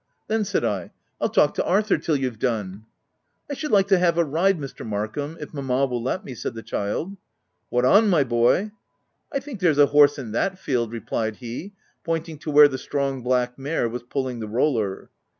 "Then," said I, "I'll talk to Arthur, till you've done." OF WILDFELL HALL. 101 " I should like to have a ride, Mr. Mark ham, if Mamma will let me/' said the child. " What on, my boy ?"" I think there's a horse in that field/' re plied he, pointing to where the strong black mare was pulling the roller.